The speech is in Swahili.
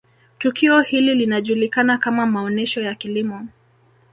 tukio hili linajulikana kama maonesho ya Kilimo